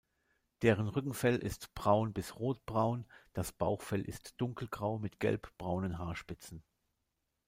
Deren Rückenfell ist braun bis rotbraun, das Bauchfell ist dunkelgrau mit gelbbraunen Haarspitzen.